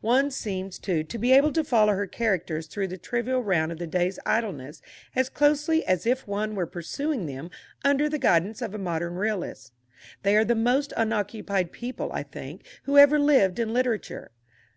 One seems, too, to be able to follow her characters through the trivial round of the day's idleness as closely as if one were pursuing them under the guidance of a modern realist. They are the most unoccupied people, I think, who ever lived in literature.